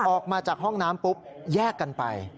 ออกมาจากห้องน้ำปุ๊บแยกกันไป